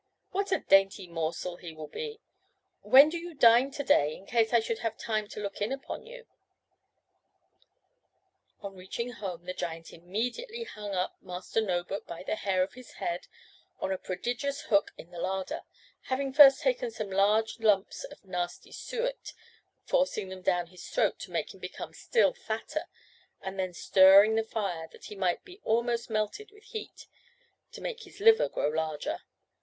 What a dainty morsel he will be! When do you dine to day, in case I should have time to look in upon you?" On reaching home the giant immediately hung up Master No book by the hair of his head, on a prodigious hook in the larder, having first taken some large lumps of nasty suet, forcing them down his throat to make him become still fatter, and then stirring the fire, that he might be almost melted with heat, to make his liver grow larger.